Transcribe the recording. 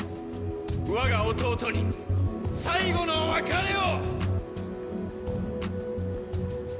我が弟に最後の別れを！